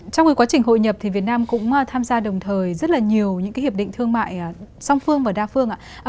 trong quá trình hội nhập thì việt nam cũng tham gia đồng thời rất là nhiều những cái hiệp định thương mại song phương và đa phương ạ